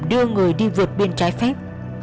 đưa người đi vượt biên trái phép